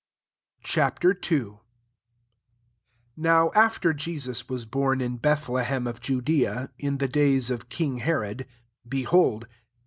Ch. II. 1 NOW after Jesus w€» born in Bethlehem ofJudea, in the days of king Herod, behold.